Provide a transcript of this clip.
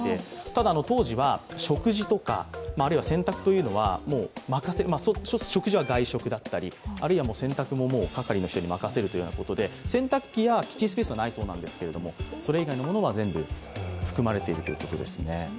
ただ、当時は食事とか洗濯というのは、食事は外食だったりあるいは洗濯物も係の人に任せるということで、洗濯機やキッチンスペースはないそうですが、それ以外のものは全部含まれているということですね。